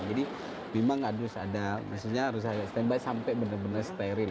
jadi memang harus ada stand by sampai benar benar steril